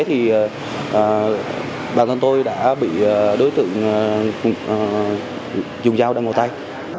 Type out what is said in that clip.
thì bản thân tôi đã bị đối tượng dùng dao đâm vào tay